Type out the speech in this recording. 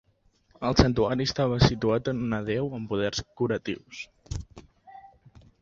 El santuari estava situat en una deu amb poders curatius.